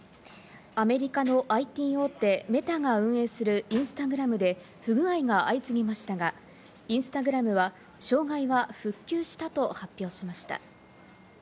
アメリカのＩＴ大手・メタ運営するインスタグラムで不具合が相次ぎましたが、インスタグラムは障害は復旧したと発表しました。